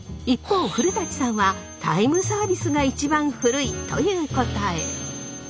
一方古さんはタイムサービスが一番古いという答え。